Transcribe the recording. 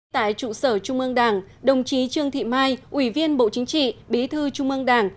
tại trụ sở trung ương đảng đồng chí trương thị mai ủy viên bộ chính trị bí thư trung ương đảng